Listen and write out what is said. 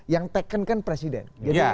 yang tekankan presiden